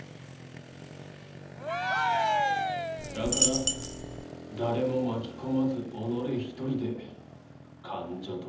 だから誰も巻き込まず己一人で間者となった。